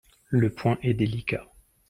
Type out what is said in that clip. Le point est délicat.